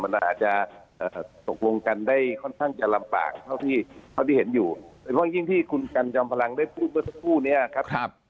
มันอาจจะตกลงกันได้ค่อนข้างจะลำบากเท่าที่เห็นอยู่โดยเฉพาะยิ่งที่คุณกันจอมพลังได้พูดเมื่อสักครู่นี้ครับ